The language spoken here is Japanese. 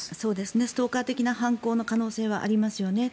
ストーカー的な犯行の可能性はありますよね。